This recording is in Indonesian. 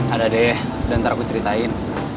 ada deh dan ntar aku ceritain